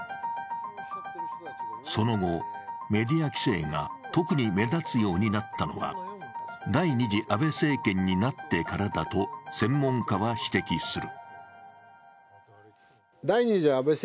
その後、メディア規制が特に目立つようになったのは、第２次安倍政権になってからだと専門家は指摘する。